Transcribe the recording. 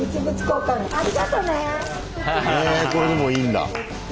えこれでもいいんだ。